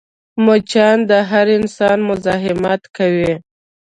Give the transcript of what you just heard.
مچان د هر انسان مزاحمت کوي